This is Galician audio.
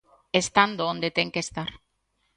Estando onde ten que estar.